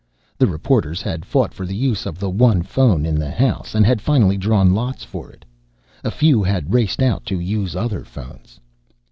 The reporters had fought for the use of the one phone in the house and had finally drawn lots for it. A few had raced out to use other phones.